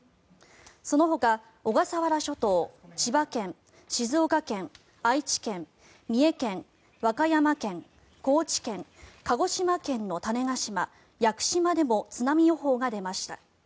そのほか、小笠原諸島千葉県、静岡県愛知県、三重県和歌山県、高知県鹿児島県の種子島、屋久島でも津波予報が出ました。